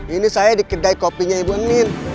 ini saya di kedai kopinya ibu nin